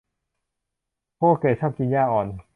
โคแก่ชอบกินหญ้าอ่อน